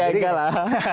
gak gak lah